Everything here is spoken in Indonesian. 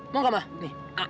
mau gak mah nih